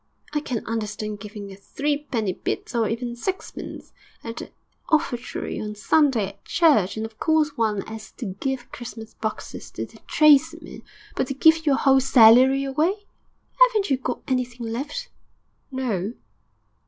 I can understand giving a threepenny bit, or even sixpence, at the offertory on Sunday at church, and of course one 'as to give Christmas boxes to the tradesmen; but to give your whole salary away! 'Aven't you got anything left?' 'No!'